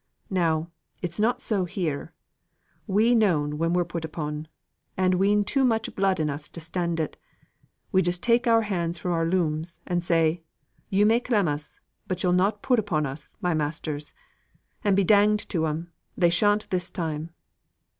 Now, it's not so here. We known when we're put upon; and we'en too much blood in us to stand it. We just take our hands fro' our looms, and say, 'Yo' may clem us, but yo'll not put upon us, my masters!' And be danged to 'em, they shan't this time!"